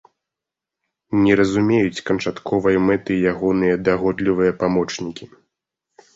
Не разумеюць канчатковай мэты й ягоныя дагодлівыя памочнікі.